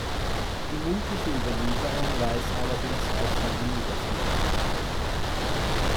Die mündliche Überlieferung weiß allerdings auch von weniger friedlichen Kontakten.